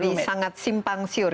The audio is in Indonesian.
menjadi sangat simpang siur